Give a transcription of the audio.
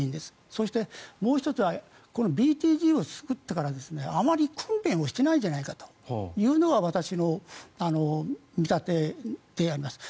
そして、もう１つはこのＢＴＧを作ってからあまり訓練をしていないんじゃないかというのが私の見立てであります。